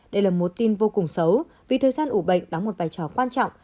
đây là một tin vô cùng xấu vì thời gian ủ bệnh đóng một vai trò quan trọng